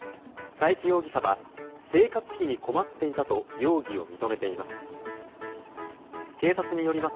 佐伯容疑者は生活費に困っていたと容疑を認めています。